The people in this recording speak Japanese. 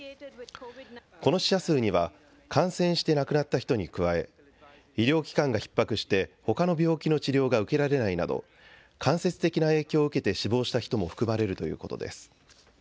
この死者数には感染して亡くなった人に加え医療機関がひっ迫してほかの病気の治療が受けられないなど間接的な影響を受けて死亡した人も含まれるということです。